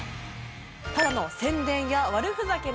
ただの宣伝や悪ふざけなのか